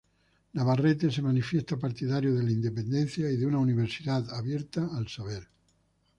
Navarrete se manifiesta partidario de la independencia, y de una Universidad abierta al saber.